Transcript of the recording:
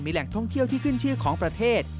แหล่งท่องเที่ยวที่ขึ้นชื่อของประเทศ